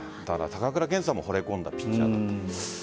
高倉健さんもほれ込んだピッチャーだった。